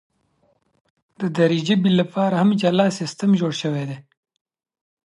د دري ژبي لپاره هم جلا سیستم جوړ سوی دی.